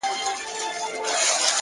مثبت چلند د چاپېریال فضا بدلوي؛